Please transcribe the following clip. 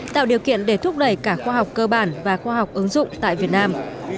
tạo điều kiện để thúc đẩy cả khoa học cơ bản và khoa học ứng dụng tại việt nam